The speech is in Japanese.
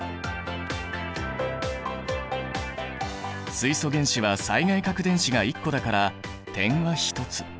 水素原子は最外殻電子が１個だから点は１つ。